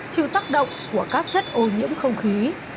chịu tác động của các chất ô nhiễm không khí